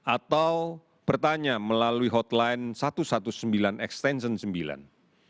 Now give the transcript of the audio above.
atau bertanya melalui hotline satu ratus sembilan belas extension sembilan